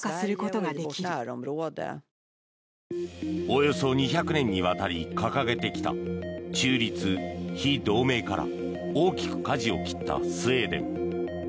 およそ２００年にわたり掲げてきた中立、非同盟から大きくかじを切ったスウェーデン。